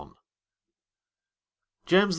JAMES I.